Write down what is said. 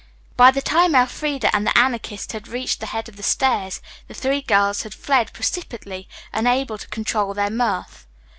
By the time Elfreda and the Anarchist had reached the head of the stairs, the three girls had fled precipitately, unable to control their mirth.